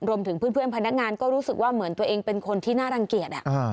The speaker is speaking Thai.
รวมถึงเพื่อนพนักงานก็รู้สึกว่าเหมือนตัวเองเป็นคนที่น่ารังเกียจ